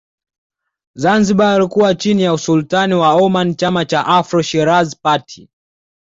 Zanzibar kuwa chini ya Usultani wa Omani Chama cha Afro Shirazi Party